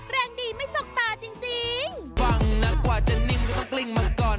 แรงดีไม่จกตาจริง